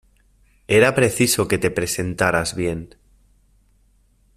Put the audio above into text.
Era preciso que te presentaras bien.